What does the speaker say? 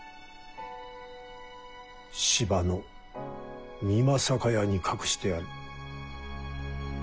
芝の美作屋に隠してある。